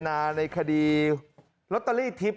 อันนาในคดีลอตเตอรี่ทริป